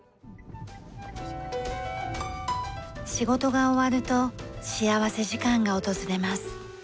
仕事が終わると幸福時間が訪れます。